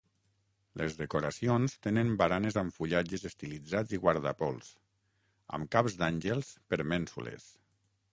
Les decoracions tenen baranes amb fullatges estilitzats i guardapols, amb caps d'àngels per mènsules.